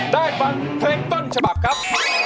ได้ฟังเพลงต้นฉบับครับ